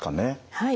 はい。